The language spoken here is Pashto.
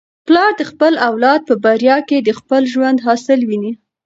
پلار د خپل اولاد په بریا کي د خپل ژوند حاصل ویني.